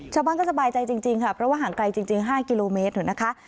ชาวบ้านก็สบายใจจริงค่ะเพราะว่าห่างไกลจริง๕กิโลเมตรนะคะ